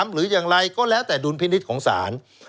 หรืออย่างไรก็แล้วแต่ดุลพินิษฐ์ของศาล